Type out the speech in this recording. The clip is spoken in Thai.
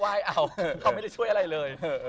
มาให้เลือกว่ายเอ้าแต่เขาไม่ได้ช่วยอะไรเลย